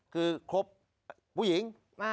คือครบผู้หญิง